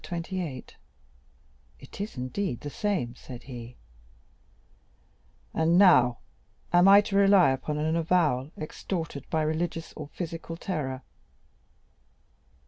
28;' it is indeed the same," said he; "and now, am I to rely upon an avowal extorted by religious or physical terror?